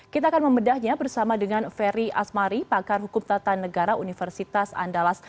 kita akan membedahnya bersama dengan ferry asmari pakar hukum tata negara universitas andalas